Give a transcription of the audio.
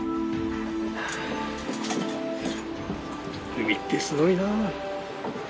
海ってすごいなぁ。